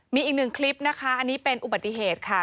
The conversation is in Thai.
มีอีกหนึ่งคลิปนะคะอันนี้เป็นอุบัติเหตุค่ะ